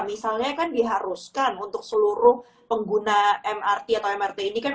misalnya kan diharuskan untuk seluruh pengguna mrt atau mrt ini kan